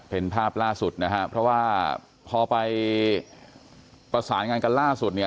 เป็นภาพล่าสุดนะฮะเพราะว่าพอไปประสานงานกันล่าสุดเนี่ย